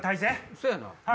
そうやな。